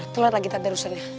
tuhan lagi tak ada rusaknya